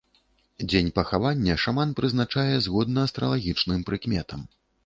Дзень пахавання шаман прызначае згодна астралагічным прыкметам.